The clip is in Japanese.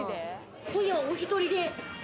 今夜は、お１人で？